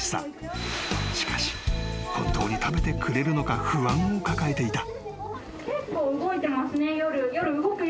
［しかし本当に食べてくれるのか不安を抱えていた］